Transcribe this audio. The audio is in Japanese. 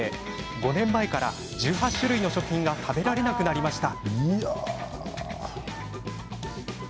５年前から１８種類の食品が食べられなくなりました。